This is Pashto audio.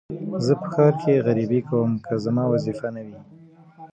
زه په ښار کې غريبي کوم که زما وظيفه نه وى.